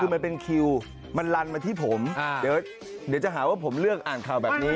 คือมันเป็นคิวมันลันมาที่ผมเดี๋ยวจะหาว่าผมเลือกอ่านข่าวแบบนี้